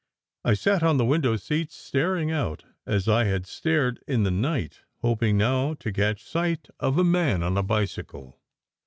I sat on the window seat, staring out as I had stared in the night, hoping now to catch sight of a man on a bicycle.